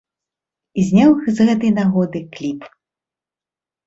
І зняў з гэтай нагоды кліп.